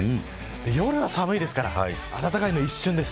夜は寒いですから暖かいのは一瞬です。